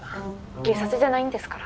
警察じゃないんですから。